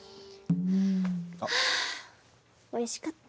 はぁおいしかった。